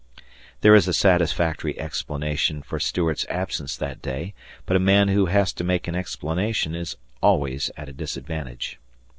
There is a satisfactory explanation for Stuart's absence that day, but a man who has to make an explanation is always at a disadvantage.